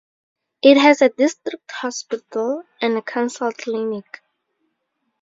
It has a district hospital and a council clinic.